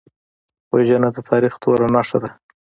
وژنه د تاریخ توره نښه ده